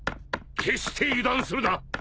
決して油断するな。